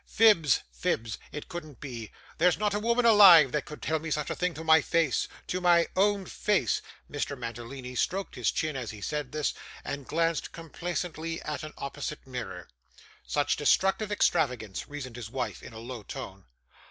'Fibs, fibs. It couldn't be. There's not a woman alive, that could tell me such a thing to my face to my own face.' Mr. Mantalini stroked his chin, as he said this, and glanced complacently at an opposite mirror. 'Such destructive extravagance,' reasoned his wife, in a low tone.